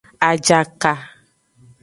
Ajaka.